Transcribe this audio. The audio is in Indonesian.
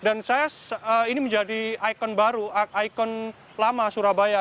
dan ini menjadi ikon baru ikon lama surabaya